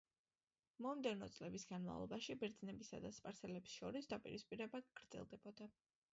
მომდევნო წლების განმავლობაში ბერძნებსა და სპარსელებს შორის დაპირისპირება გრძელდებოდა.